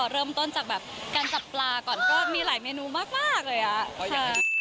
เริ่มต้นจากแบบการจับปลาก่อนก็มีหลายเมนูมากเลยอะ